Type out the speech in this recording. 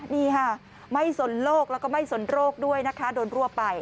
นี่ค่ะไม่สนโรคแล้วก็ไม่สนโรคด้วยนะคะโดนรั่วไป